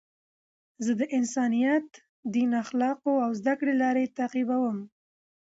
زه د انسانیت، دین، اخلاقو او زدهکړي لار تعقیبوم.